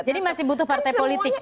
jadi masih butuh partai politik